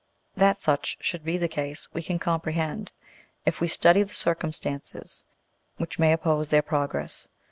That such should be the case, we can comprehend, if we study the circum stances which may oppose their progress.